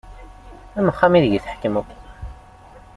Am uxxam ideg i tḥekmeḍ.